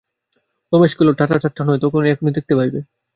রমেশ কহিল, ঠা ঠাট্টা নয় তাহা এখনি দেখিতে পাইবে।